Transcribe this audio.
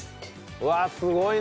うわっすごいね。